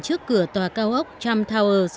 trước cửa tòa cao ốc trump towers